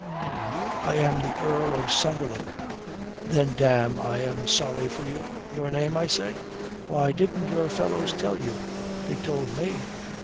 "I am the Earl of Sunderland." "Then, damme, I am sorry for you." "Your name, I say?" "Why, didn't your fellows tell you? They told me."